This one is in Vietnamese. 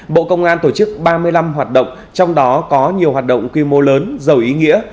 bộ công an tổ chức ba mươi năm hoạt động trong đó có nhiều hoạt động quy mô lớn giàu ý nghĩa